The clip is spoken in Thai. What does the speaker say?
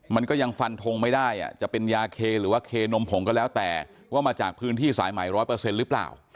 มันก็ยังฟันทงไม่ได้จะเป็นยาเคหรือว่าเคนมผงก็แล้วแต่ว่ามาจากพื้นที่สายใหม่ร้อยเปอร์เซ็นต์หรือเปล่า